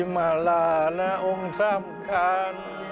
มาลานะองค์ซ้ำครา